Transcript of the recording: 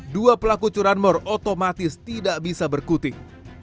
dua pelaku curanmor otomatis tidak bisa berkutik